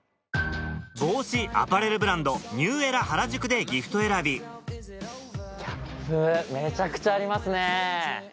帽子アパレルブランドニューエラ原宿でギフト選びキャップめちゃくちゃありますね。